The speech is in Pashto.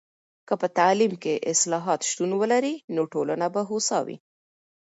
که په تعلیم کې اصلاحات شتون ولري، نو ټولنه به هوسا وي.